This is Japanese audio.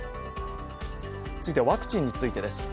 続いて、ワクチンについてです。